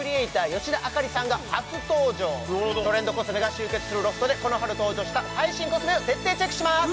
吉田朱里さんが初登場トレンドコスメが集結するＬＯＦＴでこの春登場した最新コスメを徹底チェックしまーす